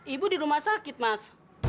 ibu di rumah sakit mas